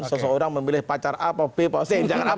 seseorang memilih pacar a apa b apa c